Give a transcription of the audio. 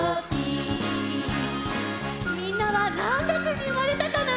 みんなはなんがつにうまれたかな？